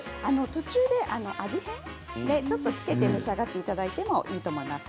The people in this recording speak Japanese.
途中で味変でちょっとつけて召し上がっていただいてもいいと思います。